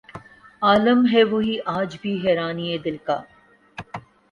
عالم ہے وہی آج بھی حیرانئ دل کا